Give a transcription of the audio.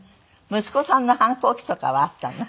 息子さんの反抗期とかはあったの？